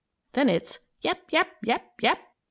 Then it's: "Yap! Yap! Yap! Yap!